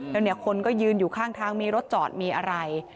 แล้วเนี่ยคนก็ยืนอยู่ข้างทางมีรถจอดมีอะไร